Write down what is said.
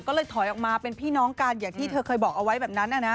ก็เลยถอยออกมาเป็นพี่น้องกันอย่างที่เธอเคยบอกเอาไว้แบบนั้น